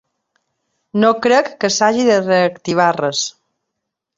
No crec que s’hagi de reactivar res.